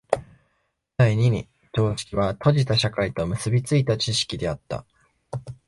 第二に常識は閉じた社会と結び付いた知識であった。